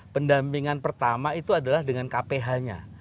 pendampingan pertama itu adalah dengan kph nya